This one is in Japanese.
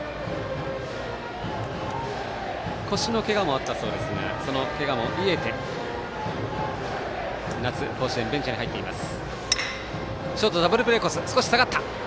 腰のけがもあったそうですがそのけがも癒えて夏、甲子園ベンチに入っています。